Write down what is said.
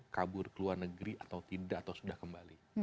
kabur ke luar negeri atau tidak atau sudah kembali